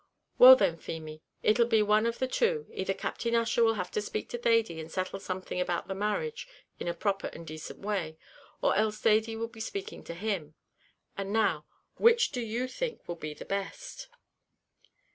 "Well, then, Feemy, it'll be one of the two: either Captain Ussher will have to speak to Thady, and settle something about the marriage in a proper and decent way; or else Thady will be speaking to him. And now, which do you think will be the best?"